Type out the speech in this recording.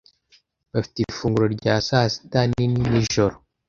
Bafite ifunguro rya sasita nini nijoro.